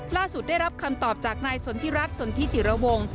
ได้รับคำตอบจากนายสนทิรัฐสนทิจิระวง